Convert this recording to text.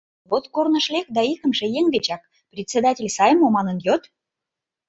Вот корныш лек да икымше еҥ дечак, председатель сай мо, манын йод.